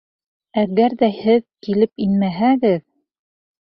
Әгәр ҙә һеҙ килеп инмәһәгеҙ...